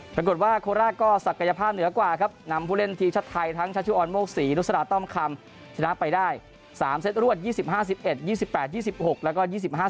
ปรากฏว่าโคราชก็ศักยภาพเหนือกว่าครับนำผู้เล่นทีมชาติไทยทั้งชัชชุออนโมกศรีนุษฎาต้อมคำชนะไปได้๓เซตรวด๒๕๑๑๒๘๒๖แล้วก็๒๕๖